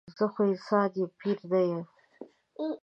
زه خو انسان یم پیری نه یم.